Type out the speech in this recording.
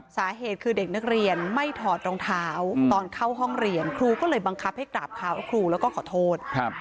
สาเหตุคือเด็กนักเรียนไม่ถอดรองเท้าตอนเข้าห้องเรียนครูก็เลยบังคับให้กราบเท้าครูแล้วก็ขอโทษ